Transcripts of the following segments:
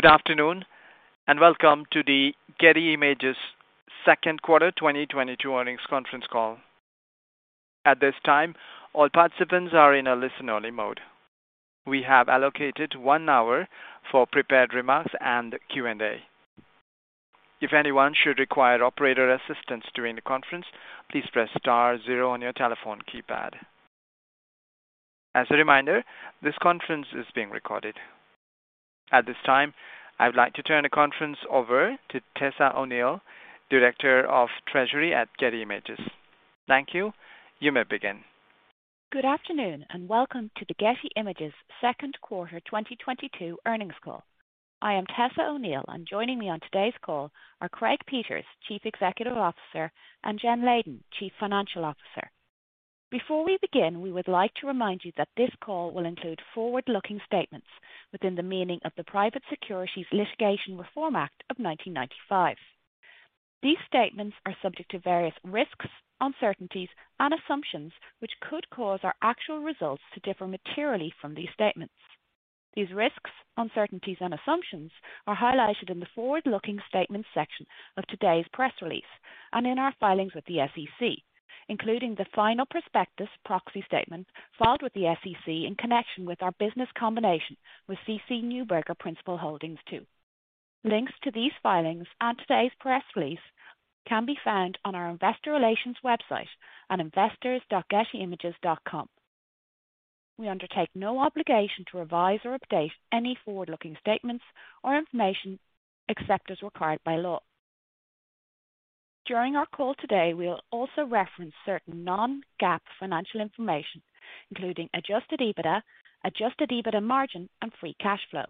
Good afternoon and welcome to the Getty Images second quarter 2022 earnings conference call. At this time, all participants are in a listen-only mode. We have allocated one hour for prepared remarks and Q&A. If anyone should require operator assistance during the conference, please press star zero on your telephone keypad. As a reminder, this conference is being recorded. At this time, I would like to turn the conference over to Tessa O'Neill, Director of Treasury at Getty Images. Thank you. You may begin. Good afternoon and welcome to the Getty Images second quarter 2022 earnings call. I am Tessa O'Neill and joining me on today's call are Craig Peters, Chief Executive Officer and Jen Leyden, Chief Financial Officer. Before we begin, we would like to remind you that this call will include forward-looking statements within the meaning of the Private Securities Litigation Reform Act of 1995. These statements are subject to various risks, uncertainties and assumptions, which could cause our actual results to differ materially from these statements. These risks, uncertainties and assumptions are highlighted in the forward-looking statements section of today's press release and in our filings with the SEC, including the final prospectus proxy statement filed with the SEC in connection with our business combination with CC Neuberger Principal Holdings II. Links to these filings and today's press release can be found on our investor relations website at investors.gettyimages.com. We undertake no obligation to revise or update any forward-looking statements or information except as required by law. During our call today, we'll also reference certain non-GAAP financial information, including Adjusted EBITDA, Adjusted EBITDA margin and free cash flow.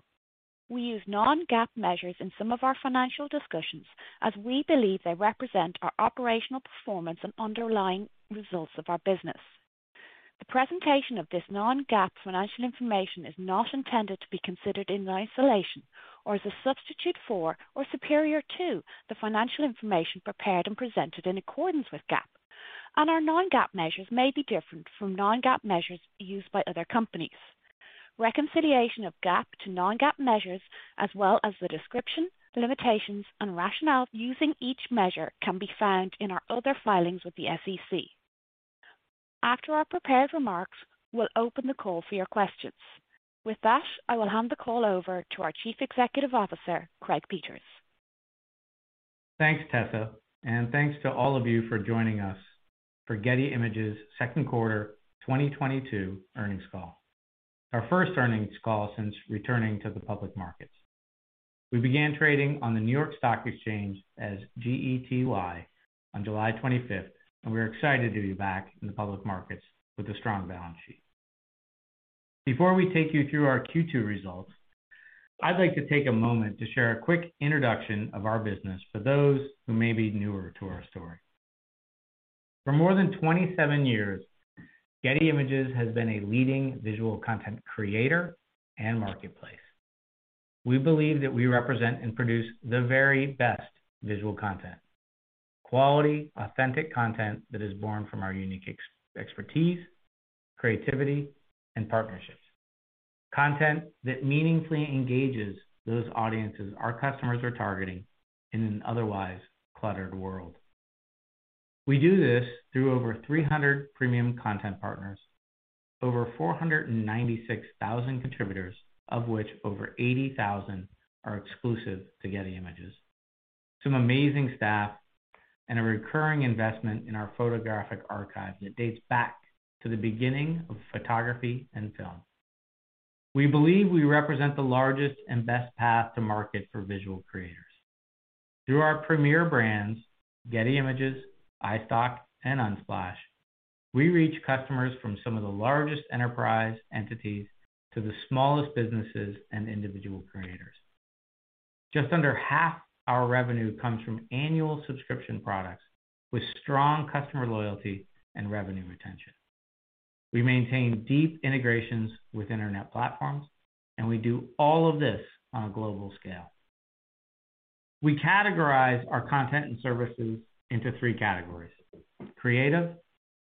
We use non-GAAP measures in some of our financial discussions as we believe they represent our operational performance and underlying results of our business. The presentation of this non-GAAP financial information is not intended to be considered in isolation or as a substitute for or superior to the financial information prepared and presented in accordance with GAAP and our non-GAAP measures may be different from non-GAAP measures used by other companies. Reconciliation of GAAP to non-GAAP measures, as well as the description, limitations and rationale using each measure can be found in our other filings with the SEC. After our prepared remarks, we'll open the call for your questions. With that, I will hand the call over to our Chief Executive Officer, Craig Peters. Thanks, Tessa and thanks to all of you for joining us for Getty Images' second quarter 2022 earnings call, our first earnings call since returning to the public markets. We began trading on the New York Stock Exchange as GETY on 25 July and we're excited to be back in the public markets with a strong balance sheet. Before we take you through our Q2 results, I'd like to take a moment to share a quick introduction of our business for those who may be newer to our story. For more than 27 years, Getty Images has been a leading visual content creator and marketplace. We believe that we represent and produce the very best visual content. Quality, authentic content that is born from our unique expertise, creativity and partnerships. Content that meaningfully engages those audiences our customers are targeting in an otherwise cluttered world. We do this through over 300 premium content partners, over 496,000 contributors, of which over 80,000 are exclusive to Getty Images, some amazing staff and a recurring investment in our photographic archives that dates back to the beginning of photography and film. We believe we represent the largest and best path to market for visual creators. Through our premier brands, Getty Images, iStock and Unsplash, we reach customers from some of the largest enterprise entities to the smallest businesses and individual creators. Just under half our revenue comes from annual subscription products with strong customer loyalty and revenue retention. We maintain deep integrations with internet platforms and we do all of this on a global scale. We categorize our content and services into three categories, creative,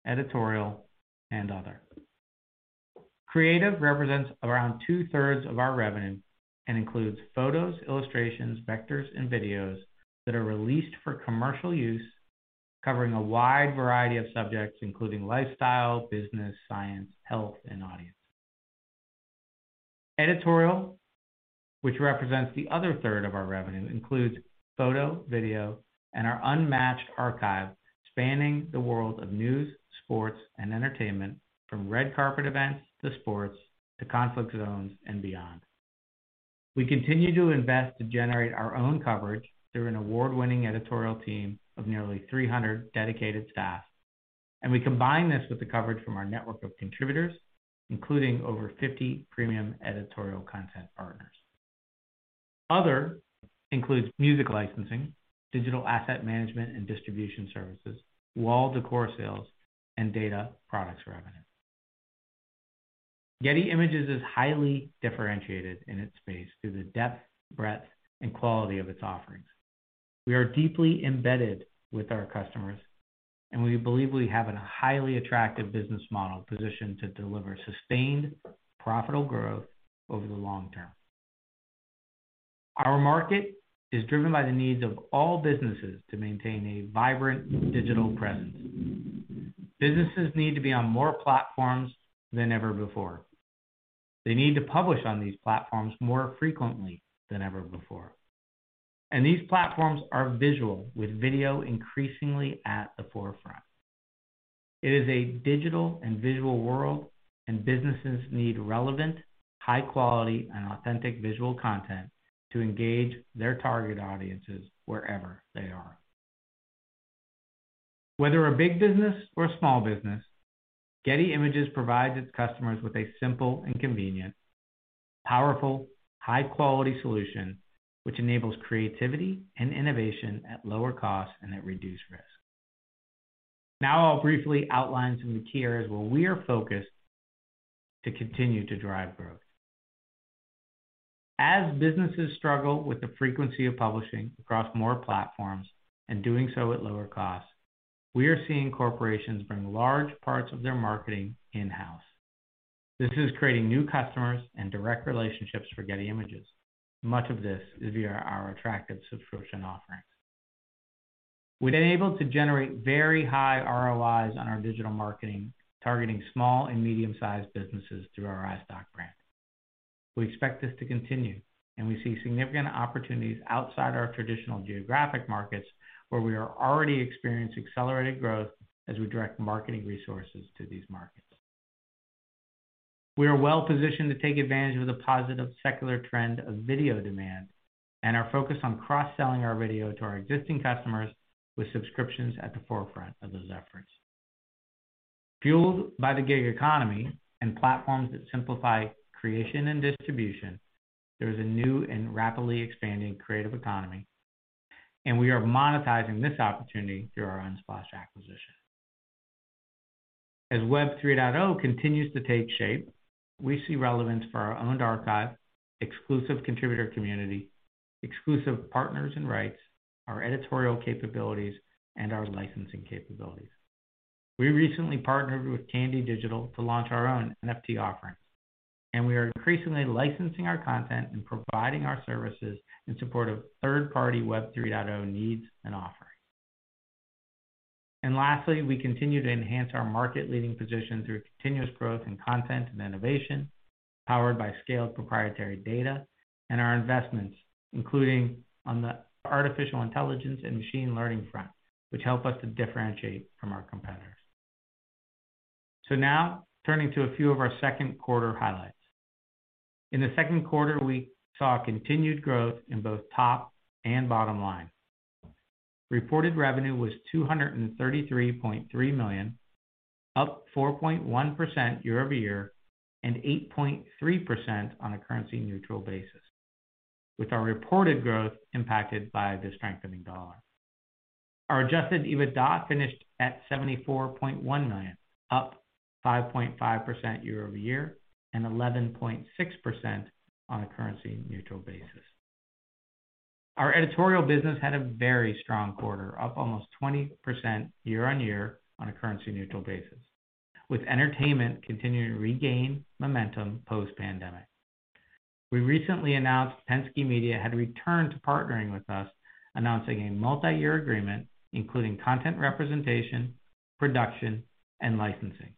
editorial and other. Creative represents around two-thirds of our revenue and includes photos, illustrations, vectors and videos that are released for commercial use, covering a wide variety of subjects, including lifestyle, business, science, health and audience. Editorial, which represents the other third of our revenue, includes photo, video and our unmatched archive spanning the world of news, sports and entertainment, from red carpet events to sports to conflict zones and beyond. We continue to invest to generate our own coverage through an award-winning editorial team of nearly 300 dedicated staff and we combine this with the coverage from our network of contributors, including over 50 premium editorial content partners. Other includes music licensing, digital asset management and distribution services, wall decor sales and data products revenue. Getty Images is highly differentiated in its space through the depth, breadth and quality of its offerings. We are deeply embedded with our customers and we believe we have a highly attractive business model positioned to deliver sustained, profitable growth over the long term. Our market is driven by the needs of all businesses to maintain a vibrant digital presence. Businesses need to be on more platforms than ever before. They need to publish on these platforms more frequently than ever before. These platforms are visual, with video increasingly at the forefront. It is a digital and visual world and businesses need relevant, high quality and authentic visual content to engage their target audiences wherever they are. Whether a big business or a small business, Getty Images provides its customers with a simple and convenient, powerful, high-quality solution, which enables creativity and innovation at lower cost and at reduced risk. Now I'll briefly outline some key areas where we are focused to continue to drive growth. As businesses struggle with the frequency of publishing across more platforms and doing so at lower costs, we are seeing corporations bring large parts of their marketing in-house. This is creating new customers and direct relationships for Getty Images, much of this via our attractive subscription offerings. We've been able to generate very high ROIs on our digital marketing targeting small and medium-sized businesses through our iStock brand. We expect this to continue and we see significant opportunities outside our traditional geographic markets, where we are already experiencing accelerated growth as we direct marketing resources to these markets. We are well positioned to take advantage of the positive secular trend of video demand and are focused on cross-selling our video to our existing customers with subscriptions at the forefront of those efforts. Fueled by the gig economy and platforms that simplify creation and distribution, there is a new and rapidly expanding creative economy and we are monetizing this opportunity through our Unsplash acquisition. As Web 3.0 continues to take shape, we see relevance for our owned archive, exclusive contributor community, exclusive partners and rights, our editorial capabilities and our licensing capabilities. We recently partnered with Candy Digital to launch our own NFT offering and we are increasingly licensing our content and providing our services in support of third-party Web 3.0 needs and offerings. Lastly, we continue to enhance our market-leading position through continuous growth in content and innovation, powered by scaled proprietary data and our investments, including on the artificial intelligence and machine learning front, which help us to differentiate from our competitors. Now turning to a few of our second quarter highlights. In the second quarter, we saw continued growth in both top and bottom line. Reported revenue was $233.3 million, up 4.1% year-over-year and 8.3% on a currency neutral basis, with our reported growth impacted by the strengthening dollar. Our adjusted EBITDA finished at $74.1 million, up 5.5% year-over-year and 11.6% on a currency neutral basis. Our editorial business had a very strong quarter, up almost 20% year-over-year on a currency neutral basis, with entertainment continuing to regain momentum post-pandemic. We recently announced Penske Media Corporation had returned to partnering with us, announcing a multi-year agreement, including content representation, production and licensing.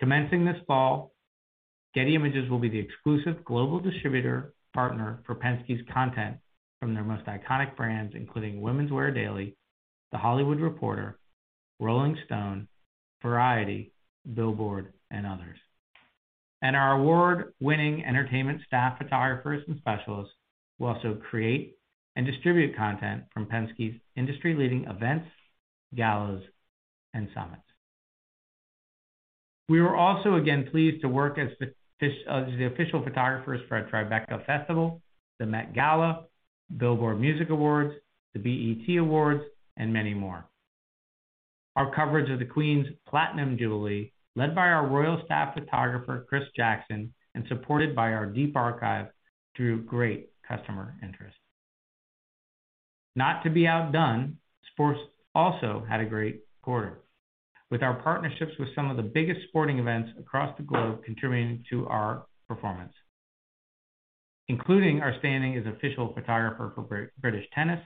Commencing this fall, Getty Images will be the exclusive global distributor partner for Penske's content from their most iconic brands, including Women's Wear Daily, The Hollywood Reporter, Rolling Stone, Variety, Billboard and others. Our award-winning entertainment staff, photographers and specialists will also create and distribute content from Penske's industry-leading events, galas and summits. We were also again pleased to work as the official photographers for Tribeca Festival, the Met Gala, Billboard Music Awards, the BET Awards and many more. Our coverage of the Queen's Platinum Jubilee, led by our royal staff photographer, Chris Jackson and supported by our deep archive, drew great customer interest. Not to be outdone, sports also had a great quarter, with our partnerships with some of the biggest sporting events across the globe contributing to our performance, including our standing as official photographer for British Tennis,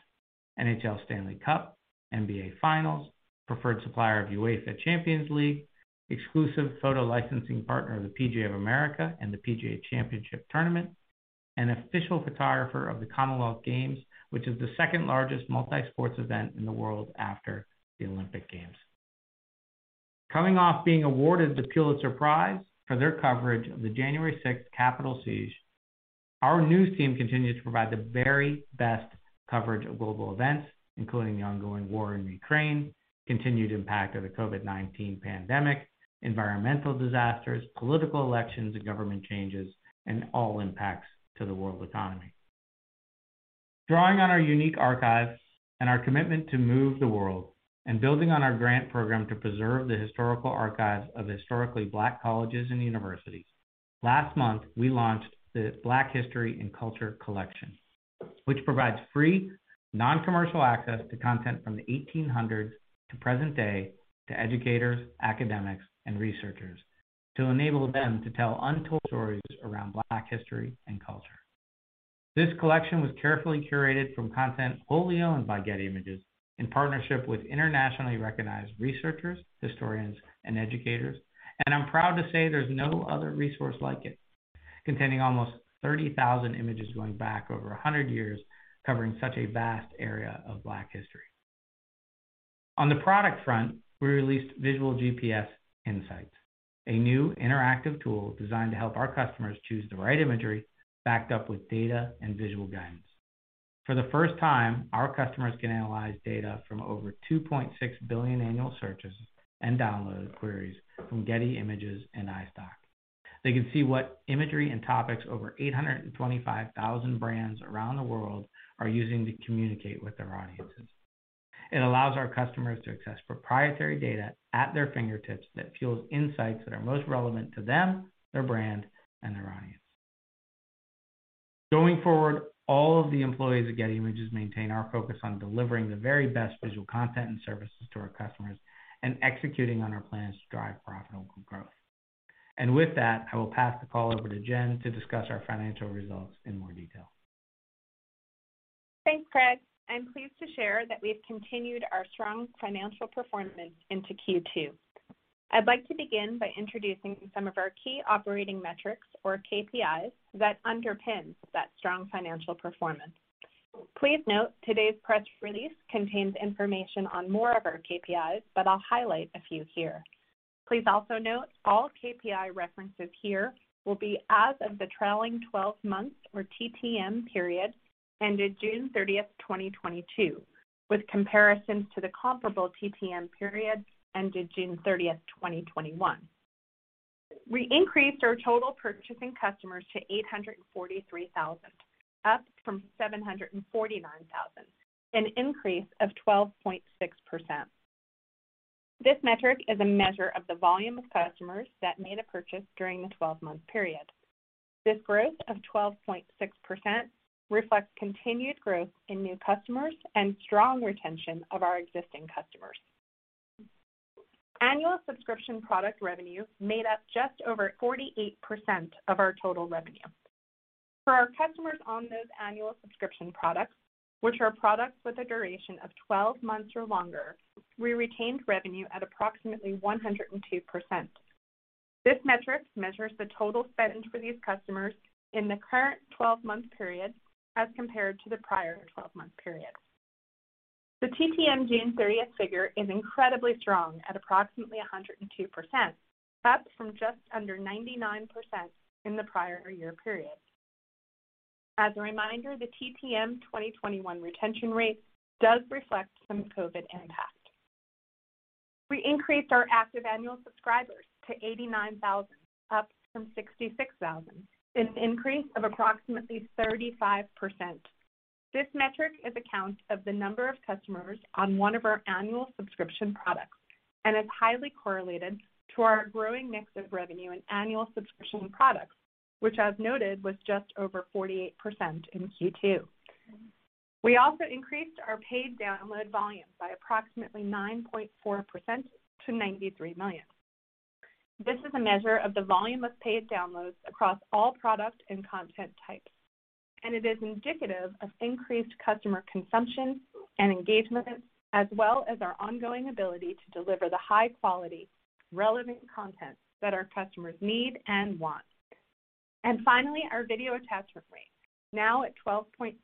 NHL Stanley Cup, NBA Finals, preferred supplier of UEFA Champions League, exclusive photo licensing partner of the PGA of America and the PGA Championship Tournament and official photographer of the Commonwealth Games, which is the second-largest multi-sport event in the world after the Olympic Games. Coming off being awarded the Pulitzer Prize for their coverage of the 6 January Capitol siege, our news team continues to provide the very best coverage of global events, including the ongoing war in Ukraine, continued impact of the COVID-19 pandemic, environmental disasters, political elections and government changes and all impacts to the world economy. Drawing on our unique archives and our commitment to move the world and building on our grant program to preserve the historical archives of historically Black colleges and universities. Last month, we launched the Black History and Culture Collection, which provides free non-commercial access to content from the 1800s to present day to educators, academics and researchers to enable them to tell untold stories around Black history and culture. This collection was carefully curated from content wholly owned by Getty Images in partnership with internationally recognized researchers, historians and educators. I'm proud to say there's no other resource like it, containing almost 30,000 images going back over 100 years, covering such a vast area of Black history. On the product front, we released VisualGPS Insights, a new interactive tool designed to help our customers choose the right imagery backed up with data and visual guidance. For the first time, our customers can analyze data from over 2.6 billion annual searches and download queries from Getty Images and iStock. They can see what imagery and topics over 825,000 brands around the world are using to communicate with their audiences. It allows our customers to access proprietary data at their fingertips that fuels insights that are most relevant to them, their brand and their audience. Going forward, all of the employees at Getty Images maintain our focus on delivering the very best visual content and services to our customers and executing on our plans to drive profitable growth. With that, I will pass the call over to Jen to discuss our financial results in more detail. Thanks, Craig. I'm pleased to share that we've continued our strong financial performance into Q2. I'd like to begin by introducing some of our key operating metrics or KPIs that underpin that strong financial performance. Please note today's press release contains information on more of our KPIs but I'll highlight a few here. Please also note all KPI references here will be as of the trailing twelve months or TTM period, ended 30 June 2022, with comparisons to the comparable TTM period ended 30 June 2021. We increased our total purchasing customers to 843,000, up from 749,000, an increase of 12.6%. This metric is a measure of the volume of customers that made a purchase during the twelve-month period. This growth of 12.6% reflects continued growth in new customers and strong retention of our existing customers. Annual subscription product revenue made up just over 48% of our total revenue. For our customers on those annual subscription products, which are products with a duration of 12 months or longer, we retained revenue at approximately 102%. This metric measures the total spend for these customers in the current 12-month period as compared to the prior 12-month period. The TTM 30 June figure is incredibly strong at approximately 102%, up from just under 99% in the prior year period. As a reminder, the TTM 2021 retention rate does reflect some COVID impact. We increased our active annual subscribers to 89,000, up from 66,000, an increase of approximately 35%. This metric is a count of the number of customers on one of our annual subscription products and is highly correlated to our growing mix of revenue and annual subscription products, which as noted, was just over 48% in Q2. We also increased our paid download volume by approximately 9.4% to 93 million. This is a measure of the volume of paid downloads across all product and content types and it is indicative of increased customer consumption and engagement, as well as our ongoing ability to deliver the high quality, relevant content that our customers need and want. Finally, our video attachment rate, now at 12.2%,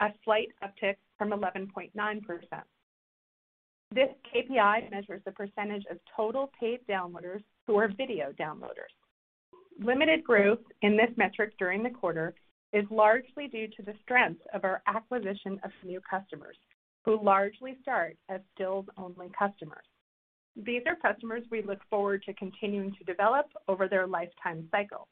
a slight uptick from 11.9%. This KPI measures the percentage of total paid downloaders who are video downloaders. Limited growth in this metric during the quarter is largely due to the strength of our acquisition of new customers, who largely start as stills-only customers. These are customers we look forward to continuing to develop over their lifetime cycle.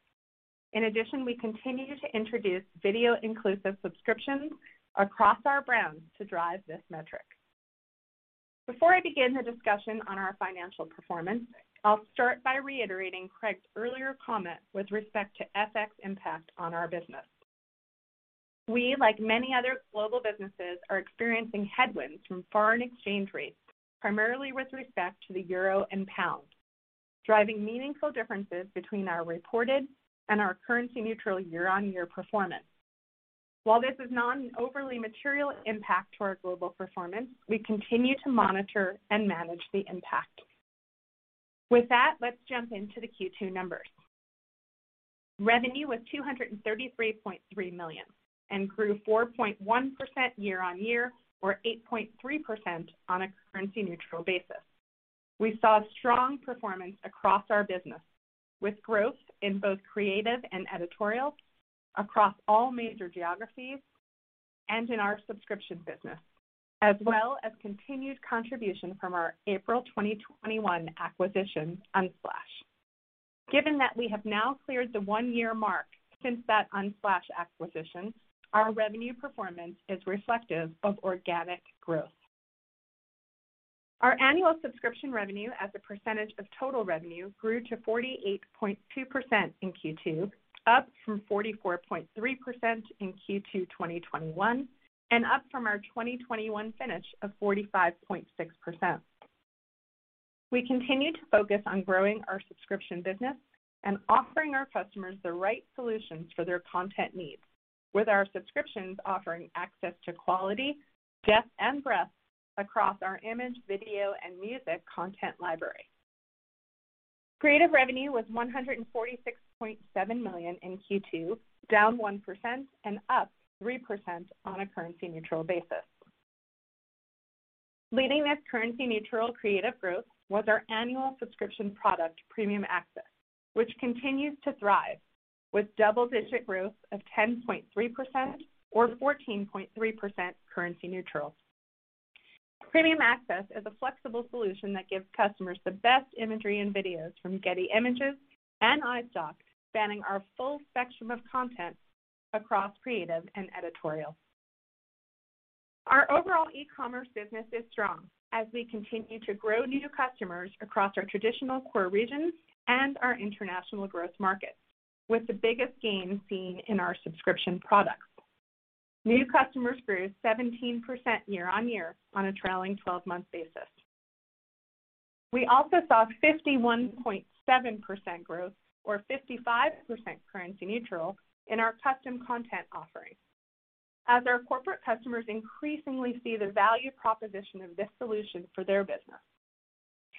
In addition, we continue to introduce video inclusive subscriptions across our brands to drive this metric. Before I begin the discussion on our financial performance, I'll start by reiterating Craig's earlier comment with respect to FX impact on our business. We, like many other global businesses, are experiencing headwinds from foreign exchange rates, primarily with respect to the euro and pound, driving meaningful differences between our reported and our currency neutral year-on-year performance. While this is not an overly material impact to our global performance, we continue to monitor and manage the impact. With that, let's jump into the Q2 numbers. Revenue was $233.3 million and grew 4.1% year-on-year or 8.3% on a currency-neutral basis. We saw strong performance across our business with growth in both creative and editorial across all major geographies and in our subscription business, as well as continued contribution from our April 2021 acquisition, Unsplash. Given that we have now cleared the one-year mark since that Unsplash acquisition, our revenue performance is reflective of organic growth. Our annual subscription revenue as a percentage of total revenue grew to 48.2% in Q2, up from 44.3% in Q2 2021 and up from our 2021 finish of 45.6%. We continue to focus on growing our subscription business and offering our customers the right solutions for their content needs with our subscriptions offering access to quality, depth and breadth across our image, video and music content library. Creative revenue was $146.7 million in Q2, down 1% and up 3% on a currency neutral basis. Leading this currency neutral creative growth was our annual subscription product, Premium Access, which continues to thrive with double-digit growth of 10.3% or 14.3% currency neutral. Premium Access is a flexible solution that gives customers the best imagery and videos from Getty Images and iStock, spanning our full spectrum of content across creative and editorial. Our overall e-commerce business is strong as we continue to grow new customers across our traditional core regions and our international growth markets, with the biggest gain seen in our subscription products. New customers grew 17% year-over-year on a trailing twelve-month basis. We also saw 51.7% growth or 55% currency neutral in our custom content offerings as our corporate customers increasingly see the value proposition of this solution for their business.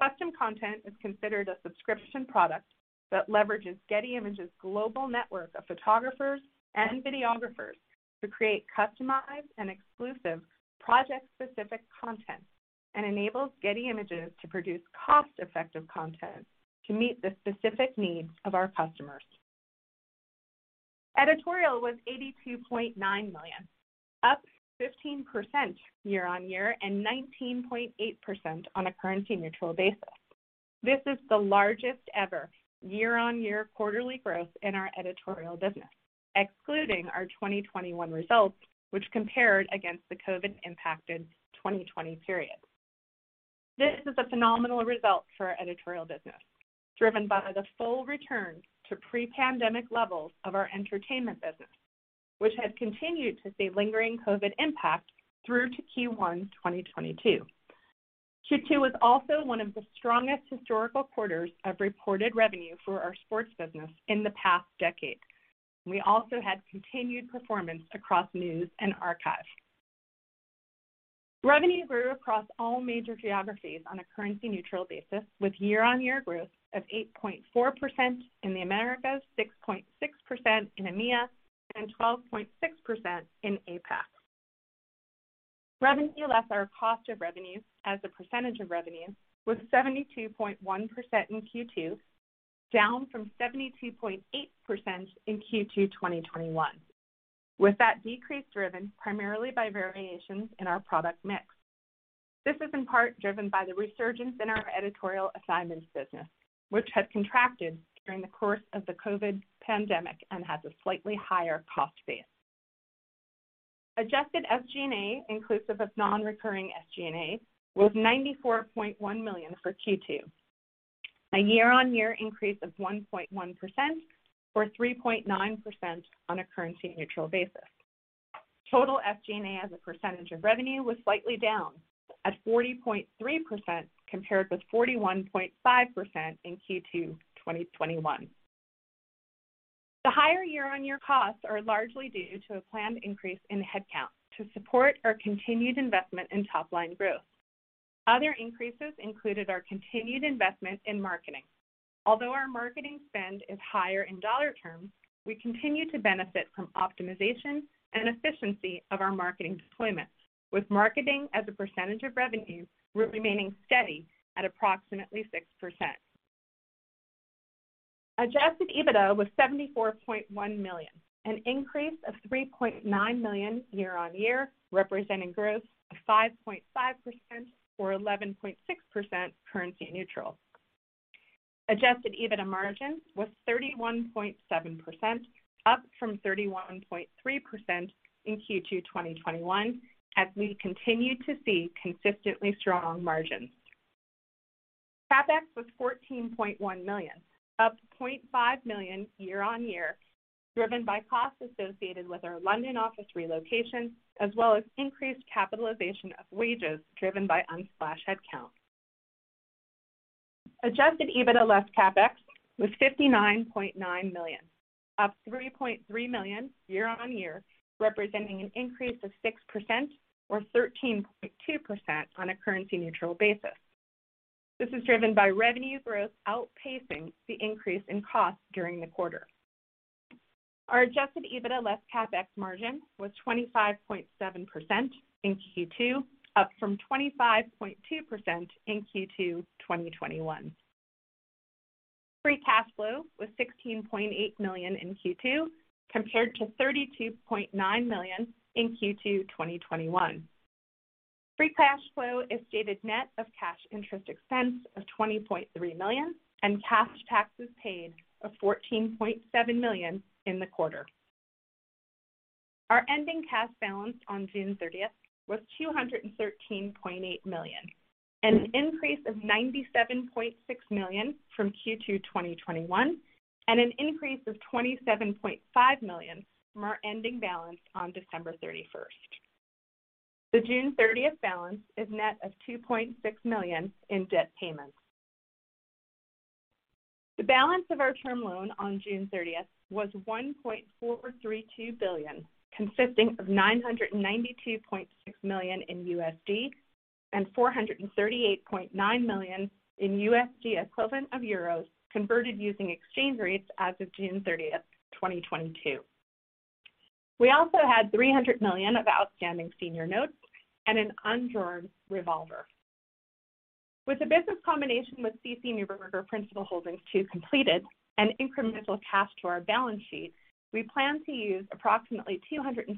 Custom content is considered a subscription product that leverages Getty Images' global network of photographers and videographers to create customized and exclusive project specific content and enables Getty Images to produce cost effective content to meet the specific needs of our customers. Editorial was $82.9 million, up 15% year-over-year and 19.8% on a currency neutral basis. This is the largest ever year-on-year quarterly growth in our editorial business, excluding our 2021 results, which compared against the COVID impacted 2020 period. This is a phenomenal result for our editorial business, driven by the full return to pre-pandemic levels of our entertainment business, which had continued to see lingering COVID impact through to Q1 2022. Q2 was also one of the strongest historical quarters of reported revenue for our sports business in the past decade. We also had continued performance across news and archive. Revenue grew across all major geographies on a currency neutral basis, with year-on-year growth of 8.4% in the Americas, 6.6% in EMEA and 12.6% in APAC. Revenue less our cost of revenue as a percentage of revenue was 72.1% in Q2, down from 72.8% in Q2 2021, with that decrease driven primarily by variations in our product mix. This is in part driven by the resurgence in our editorial assignments business, which had contracted during the course of the COVID pandemic and has a slightly higher cost base. Adjusted SG&A, inclusive of non-recurring SG&A, was $94.1 million for Q2, a year-on-year increase of 1.1% or 3.9% on a currency neutral basis. Total SG&A as a percentage of revenue was slightly down at 40.3% compared with 41.5% in Q2 2021. The higher year-on-year costs are largely due to a planned increase in headcount to support our continued investment in top line growth. Other increases included our continued investment in marketing. Although our marketing spend is higher in dollar terms, we continue to benefit from optimization and efficiency of our marketing deployment, with marketing as a percentage of revenue remaining steady at approximately 6%. Adjusted EBITDA was $74.1 million, an increase of $3.9 million year-on-year, representing growth of 5.5% or 11.6% currency neutral. Adjusted EBITDA margin was 31.7%, up from 31.3% in Q2 2021 as we continued to see consistently strong margins. CapEx was $14.1 million, up $0.5 million year-on-year, driven by costs associated with our London office relocation, as well as increased capitalization of wages driven by Unsplash headcount. Adjusted EBITDA less CapEx was $59.9 million, up $3.3 million year-on-year, representing an increase of 6% or 13.2% on a currency neutral basis. This is driven by revenue growth outpacing the increase in costs during the quarter. Our adjusted EBITDA less CapEx margin was 25.7% in Q2, up from 25.2% in Q2 2021. Free cash flow was $16.8 million in Q2, compared to $32.9 million in Q2 2021. Free cash flow is stated net of cash interest expense of $20.3 million and cash taxes paid of $14.7 million in the quarter. Our ending cash balance on 30 June was $213.8 million, an increase of $97.6 million from Q2 2021 and an increase of $27.5 million from our ending balance on 31 December. The 30 June balance is net of $2.6 million in debt payments. The balance of our term loan on 30 June was $1.432 billion, consisting of $992.6 million in USD and $438.9 million in USD equivalent of euros converted using exchange rates as of 30 June 2022. We also had $300 million of outstanding senior notes and an undrawn revolver. With the business combination with CC Neuberger Principal Holdings II completed and incremental cash to our balance sheet, we plan to use approximately $275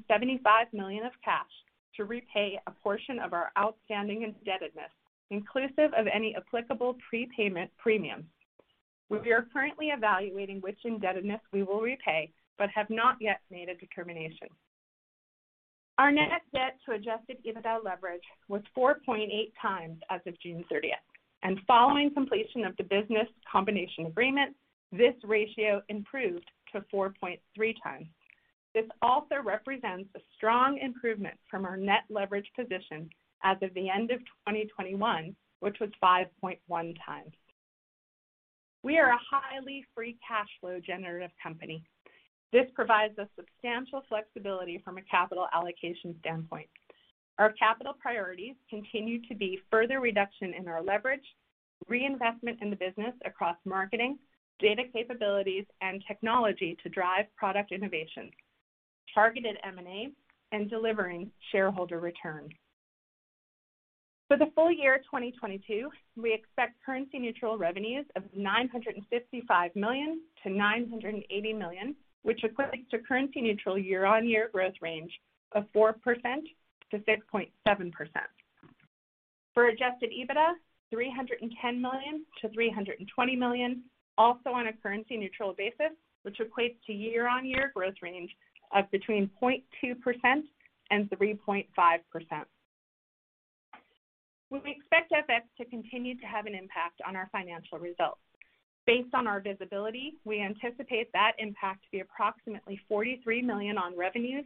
million of cash to repay a portion of our outstanding indebtedness, inclusive of any applicable prepayment premium. We are currently evaluating which indebtedness we will repay but have not yet made a determination. Our net debt to adjusted EBITDA leverage was 4.8 times as of 30 June. Following completion of the business combination agreement, this ratio improved to 4.3 times. This also represents a strong improvement from our net leverage position as of the end of 2021, which was 5.1 times. We are a highly free cash flow generative company. This provides us substantial flexibility from a capital allocation standpoint. Our capital priorities continue to be further reduction in our leverage, reinvestment in the business across marketing, data capabilities and technology to drive product innovation, targeted M&A and delivering shareholder returns. For the full year 2022, we expect currency neutral revenues of $955 million-$980 million, which equates to currency neutral year-over-year growth range of 4%-6.7%. For adjusted EBITDA, $310 million-$320 million, also on a currency neutral basis, which equates to year-over-year growth range of between 0.2% and 3.5%. We expect FX to continue to have an impact on our financial results. Based on our visibility, we anticipate that impact to be approximately $43 million on revenues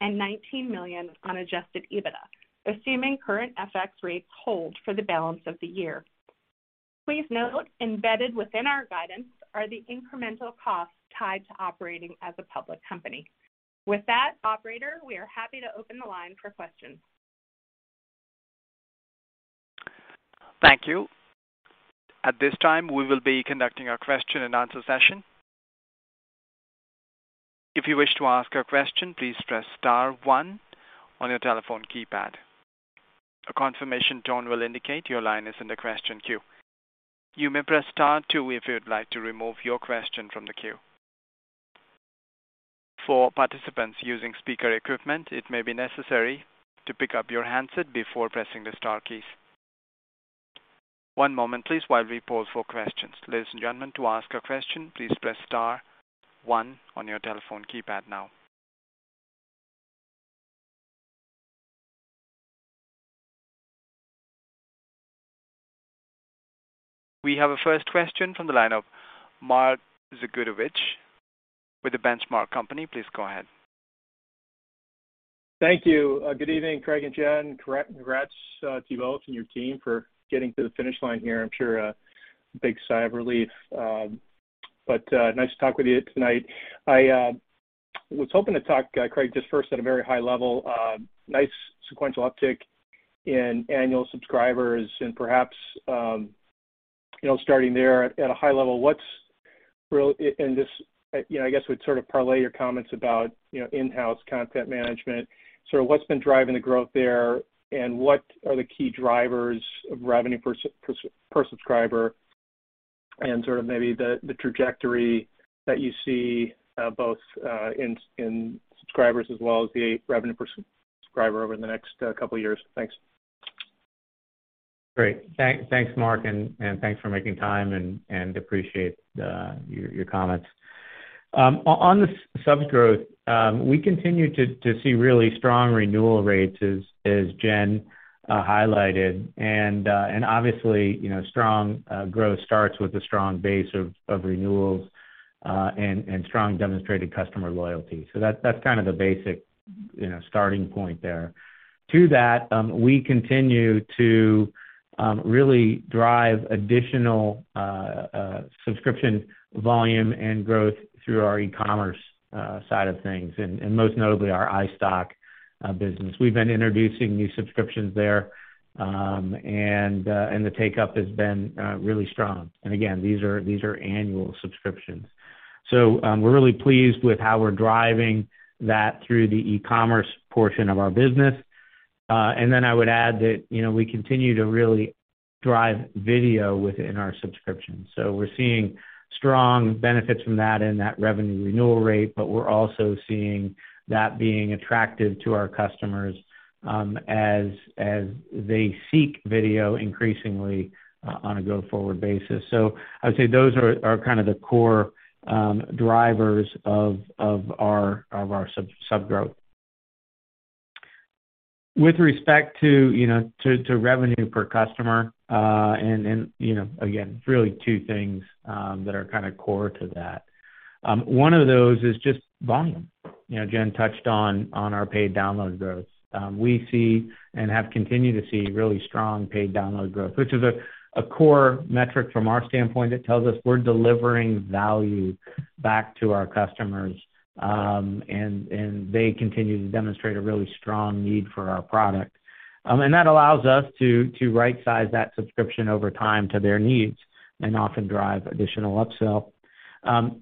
and $19 million on adjusted EBITDA, assuming current FX rates hold for the balance of the year. Please note, embedded within our guidance are the incremental costs tied to operating as a public company. With that, operator, we are happy to open the line for questions. Thank you. At this time, we will be conducting our question and answer session. If you wish to ask a question, please press star one on your telephone keypad. A confirmation tone will indicate your line is in the question queue. You may press star two if you'd like to remove your question from the queue. For participants using speaker equipment, it may be necessary to pick up your handset before pressing the star keys. One moment please while we poll for questions. Ladies and gentlemen, to ask a question, please press star one on your telephone keypad now. We have a first question from the line of Mark Zgutowicz with The Benchmark Company. Please go ahead. Thank you. Good evening, Craig and Jen. Congrats to you both and your team for getting to the finish line here. I'm sure a big sigh of relief but nice to talk with you tonight. I was hoping to talk, Craig, just first at a very high level. Nice sequential uptick in annual subscribers and perhaps, you know, starting there at a high level and just, you know, I guess, would sort of parlay your comments about, you know, in-house content management. Sort of what's been driving the growth there and what are the key drivers of revenue per subscriber and sort of maybe the trajectory that you see, both in subscribers as well as the revenue per subscriber over the next couple of years. Thanks. Great, thanks. Thanks, Mark and thanks for making time and appreciate your comments. On the sub growth, we continue to see really strong renewal rates as Jen highlighted. Obviously, you know, strong growth starts with a strong base of renewals and strong demonstrated customer loyalty. That's kind of the basic, you know, starting point there. To that, we continue to really drive additional subscription volume and growth through our e-commerce side of things and most notably our iStock business. We've been introducing new subscriptions there and the take-up has been really strong. Again, these are annual subscriptions. We're really pleased with how we're driving that through the e-commerce portion of our business. I would add that, you know, we continue to really drive video within our subscription. We're seeing strong benefits from that in that revenue renewal rate but we're also seeing that being attractive to our customers, as they seek video increasingly on a go-forward basis. I would say those are kind of the core drivers of our sub growth. With respect to revenue per customer and you know, really two things that are kind of core to that. One of those is just volume. You know, Jen touched on our paid download growth. We see and have continued to see really strong paid download growth, which is a core metric from our standpoint. It tells us we're delivering value back to our customers and they continue to demonstrate a really strong need for our product. That allows us to right-size that subscription over time to their needs and often drive additional upsell,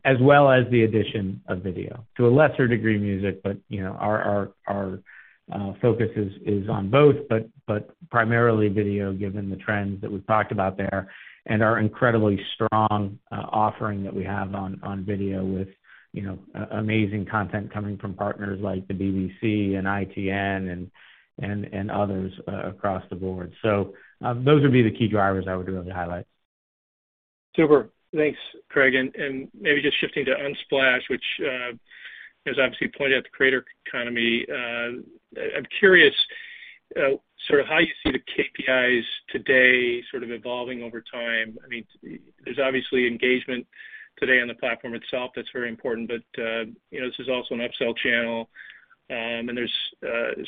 as well as the addition of video. To a lesser degree music but you know, our focus is on both but primarily video, given the trends that we've talked about there and our incredibly strong offering that we have on video with, you know, amazing content coming from partners like the BBC and ITN and others across the board. Those would be the key drivers I would be able to highlight. Super. Thanks, Craig. Maybe just shifting to Unsplash, which, as obviously pointed out, the creator economy. I'm curious, sort of how you see the KPIs today sort of evolving over time. I mean, there's obviously engagement today on the platform itself that's very important but, you know, this is also an upsell channel. And there's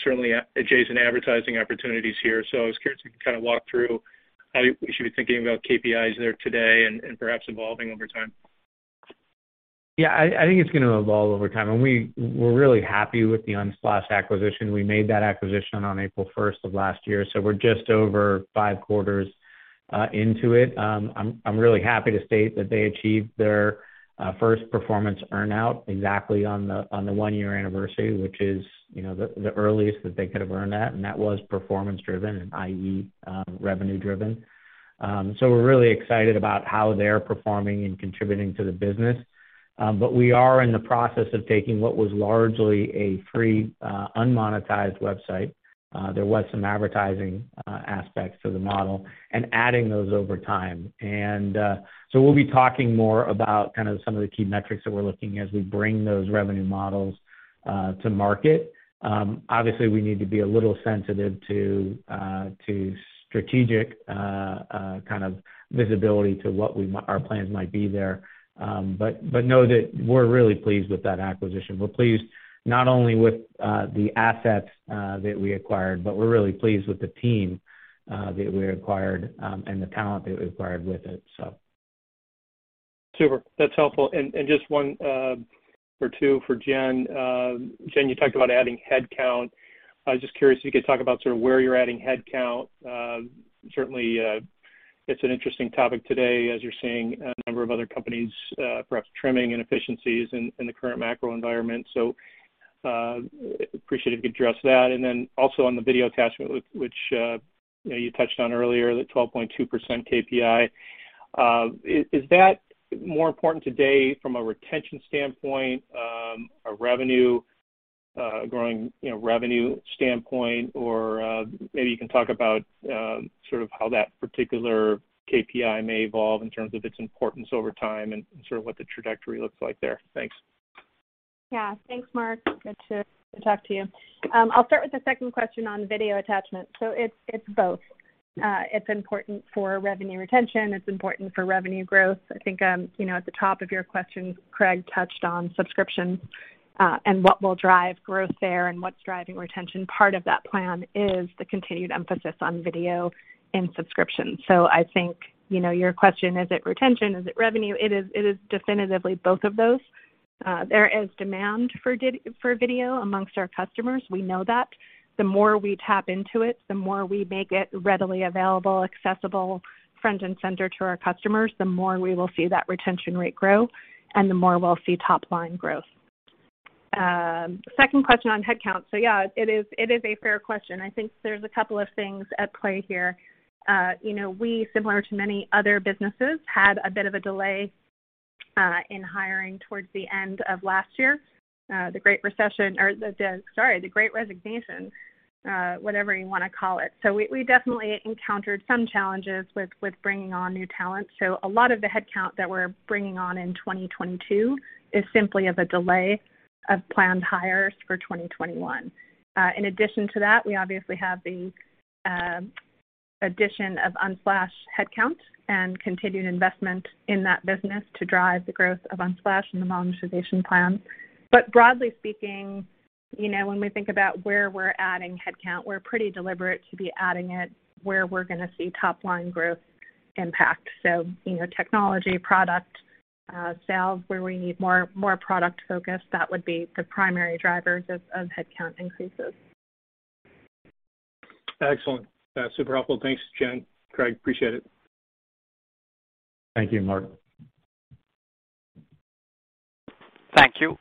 certainly adjacent advertising opportunities here. I was curious if you could kinda walk through how we should be thinking about KPIs there today and perhaps evolving over time. Yeah, I think it's gonna evolve over time. We're really happy with the Unsplash acquisition. We made that acquisition on April first of last year, so we're just over 5 quarters into it. I'm really happy to state that they achieved their first performance earn-out exactly on the one-year anniversary, which is, you know, the earliest that they could have earned that and that was performance driven and i.e., revenue driven. We're really excited about how they're performing and contributing to the business. We are in the process of taking what was largely a free unmonetized website, there was some advertising aspects to the model and adding those over time. We'll be talking more about kind of some of the key metrics that we're looking at as we bring those revenue models to market. Obviously, we need to be a little sensitive to strategic kind of visibility to what our plans might be there. Know that we're really pleased with that acquisition. We're pleased not only with the assets that we acquired but we're really pleased with the team that we acquired and the talent that we acquired with it. Super, that's helpful. Just one or two for Jen. Jen, you talked about adding headcount. I was just curious if you could talk about sort of where you're adding headcount. Certainly, it's an interesting topic today as you're seeing a number of other companies perhaps trimming inefficiencies in the current macro environment. Appreciate if you address that. Then also on the video attachment, which you know, you touched on earlier, the 12.2% KPI. Is that more important today from a retention standpoint, a revenue growing, you know, revenue standpoint? Or maybe you can talk about sort of how that particular KPI may evolve in terms of its importance over time and sort of what the trajectory looks like there. Thanks. Yeah. Thanks, Mark. Good to talk to you. I'll start with the second question on video attachment. It's both. It's important for revenue retention. It's important for revenue growth. I think, you know, at the top of your question, Craig touched on subscriptions and what will drive growth there and what's driving retention. Part of that plan is the continued emphasis on video and subscription. I think, you know, your question, is it retention, is it revenue? It is definitively both of those. There is demand for video among our customers. We know that. The more we tap into it, the more we make it readily available, accessible front and center to our customers, the more we will see that retention rate grow and the more we'll see top-line growth. Second question on headcount. Yeah, it is a fair question. I think there's a couple of things at play here. You know, we similar to many other businesses, had a bit of a delay in hiring towards the end of last year. The Great Resignation, whatever you wanna call it. We definitely encountered some challenges with bringing on new talent. A lot of the headcount that we're bringing on in 2022 is simply of a delay of planned hires for 2021. In addition to that, we obviously have the addition of Unsplash headcount and continued investment in that business to drive the growth of Unsplash and the monetization plan. Broadly speaking, you know, when we think about where we're adding headcount, we're pretty deliberate to be adding it where we're gonna see top-line growth impact. You know, technology, product, sales, where we need more product focus, that would be the primary drivers of headcount increases. Excellent. Super helpful. Thanks, Jen. Craig, appreciate it. Thank you, Mark. Thank you.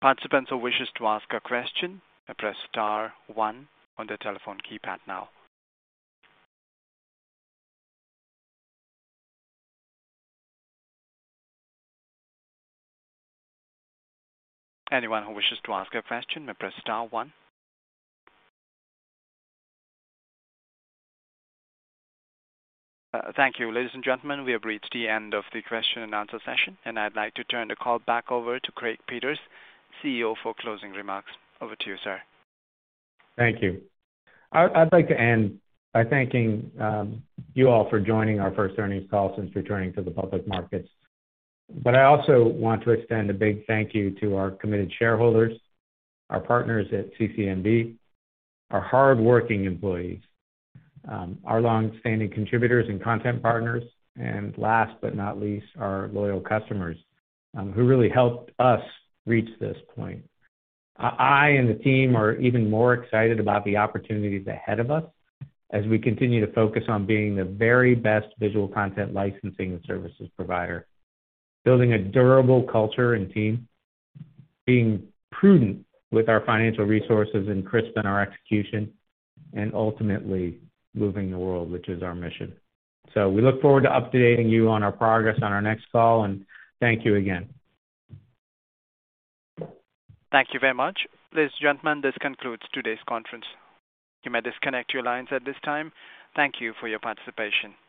Participants who wishes to ask a question may press star one on their telephone keypad now. Anyone who wishes to ask a question may press star one. Thank you. Ladies and gentlemen, we have reached the end of the question and answer session and I'd like to turn the call back over to Craig Peters, CEO for closing remarks. Over to you, sir. Thank you. I'd like to end by thanking you all for joining our first earnings call since returning to the public markets. I also want to extend a big thank you to our committed shareholders, our partners at CC Neuberger Principal Holdings II, our hardworking employees, our longstanding contributors and content partners and last but not least, our loyal customers, who really helped us reach this point. I and the team are even more excited about the opportunities ahead of us as we continue to focus on being the very best visual content licensing and services provider, building a durable culture and team, being prudent with our financial resources and crisp in our execution and ultimately moving the world, which is our mission. We look forward to updating you on our progress on our next call and thank you again. Thank you very much. Ladies, gentlemen, this concludes today's conference. You may disconnect your lines at this time. Thank you for your participation.